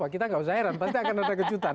kita nggak usah heran pasti akan ada kejutan